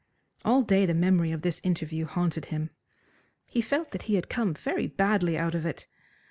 All day the memory of this interview haunted him. He felt that he had come very badly out of it.